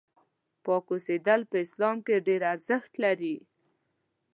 پاک اوسېدل په اسلام کې ډېر ارزښت لري.